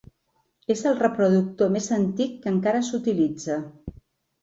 És el reproductor més antic que encara s'utilitza.